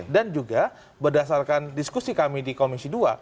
dan juga berdasarkan diskusi kami di komisi dua